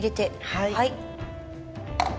はい。